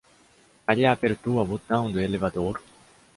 Maria apertou o botão do elevador.